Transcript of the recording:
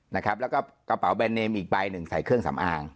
แล้วก็กระเป๋าแบรนเนมอีกใบหนึ่งใส่เครื่องสำอาง